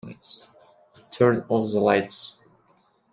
Turn off the lights.